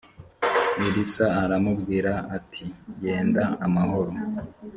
elisa aramubwira ati genda amahoro